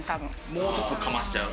もうちょっとかましちゃう？